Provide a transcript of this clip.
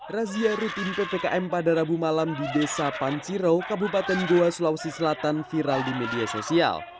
razia rutin ppkm pada rabu malam di desa panciro kabupaten goa sulawesi selatan viral di media sosial